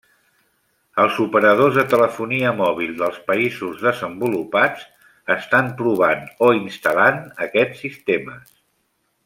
Els operadors de telefonia mòbil dels països desenvolupats estan provant o instal·lant aquests sistemes.